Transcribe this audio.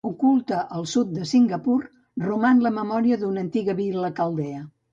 Oculta al sud de Singapur, roman la memòria d'una antiga vila caldea.